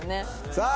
さあ。